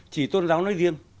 chỉ tôn giáo nói riêng